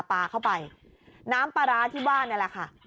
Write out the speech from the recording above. ปลาเข้าไปน้ำปลาร้าที่บ้านนี่แหละค่ะ